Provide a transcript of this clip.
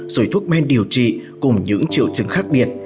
rồi thuốc men điều trị cùng những triệu chứng khác biệt